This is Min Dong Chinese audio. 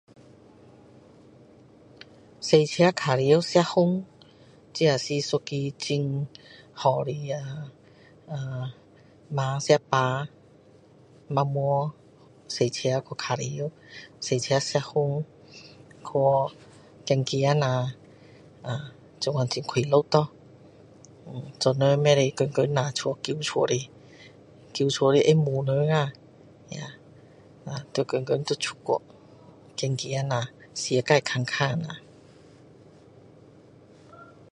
开车玩耍吃风这是一个很好的啊饭吃饱晚上开车去玩开车吃风去走走一下啊这样很快乐咯做人不可以只天天呆在家的呆在家的会闷人啊要天天出去走走下世界看看一下